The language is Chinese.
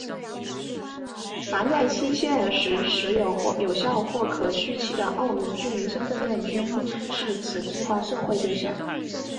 凡在限期时持有有效或可续期的澳门居民身份证居民均是为此计划之受惠对象。